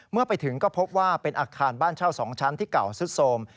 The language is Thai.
เมื่อไปถึงก็พบว่าเป็นอาคารบ้านเช่า๒ชั้นที่เก่าสุดโทรม